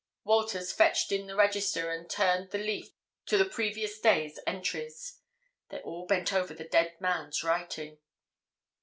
Walters fetched in the register and turned the leaf to the previous day's entries. They all bent over the dead man's writing.